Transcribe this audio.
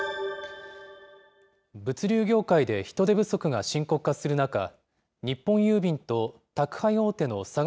物流業界で人手不足が深刻化する中、日本郵便と宅配大手の佐川